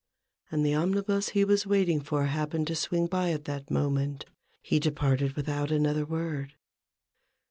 And the omnibus he was waiting for happen ing to swing by at that moment, he departed without another word.